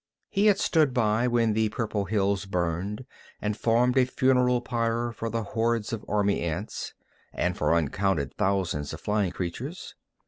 He had stood by when the purple hills burned and formed a funeral pyre for the horde of army ants, and for uncounted thousands of flying creatures.